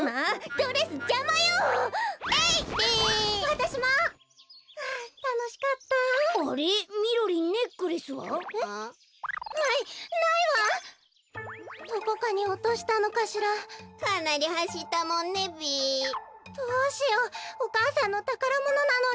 どうしようお母さんのたからものなのに。